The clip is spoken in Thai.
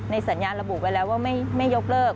สัญญาณระบุไว้แล้วว่าไม่ยกเลิก